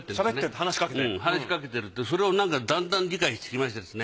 話しかけるとそれをなんかだんだん理解してきましてですね。